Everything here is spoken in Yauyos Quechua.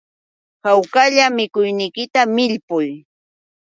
Hawkalla mikuyniykita millpuy